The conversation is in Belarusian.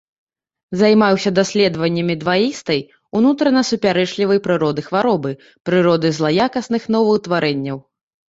Займаўся даследаваннямі дваістай, унутрана супярэчлівай прыроды хваробы, прыроды злаякасных новаўтварэнняў.